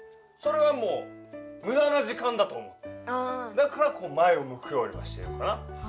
だからこう前を向くようにはしてるかなふだんから。